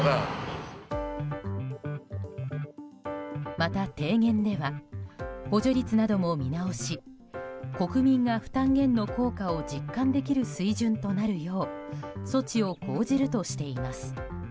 また、提言では補助率なども見直し国民が負担減の効果を実感できる水準となるよう措置を講じるとしています。